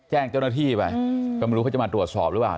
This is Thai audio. แจ้งเจ้าหน้าที่ไปก็ไม่รู้เขาจะมาตรวจสอบหรือเปล่า